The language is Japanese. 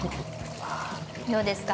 ◆どうですか。